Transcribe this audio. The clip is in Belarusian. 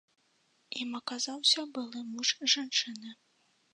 Ім аказаўся былы муж жанчыны.